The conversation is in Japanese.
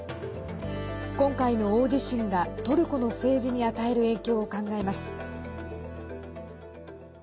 今回の大地震が、トルコの政治に与える影響を考えます。